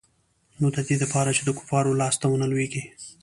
نو د دې د پاره چې د کفارو لاس ته ونه لوېږي.